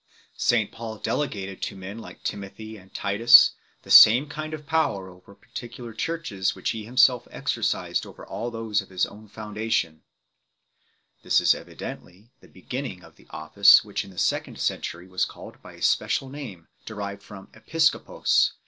St Paul delegated to men like Timothy and Titus the same kind of power over particular churches which he himself exercised over all those of his own foundation ; this is evidently the beginning of the office which in the second century was called by a special name derived from eWcr/coTro?